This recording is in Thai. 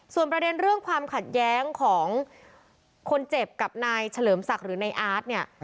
ส่วนประเด็นเรื่องความขัดแย้งของคนเจ็บกับนายเฉลิมศักดิ์หรือนายอาร์ตเนี่ย